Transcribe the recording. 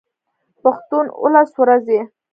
پښتون اولس و روزئ.